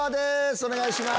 お願いします。